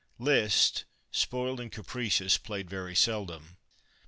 Liszt, spoiled and capricious, played very seldom.